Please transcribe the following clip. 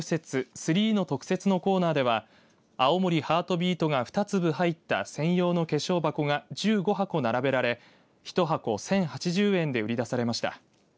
ＴＨＲＥＥの特設のコーナーでは青森ハートビートが２粒入った専用の化粧箱が１５箱並べられ１箱１０８０円で売り出されました。